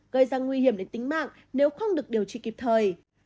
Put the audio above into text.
gây ra nguy hiểm đến tính mạng nếu không được điều trị kịp thời